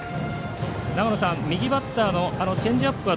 長野さん、右バッターへのチェンジアップは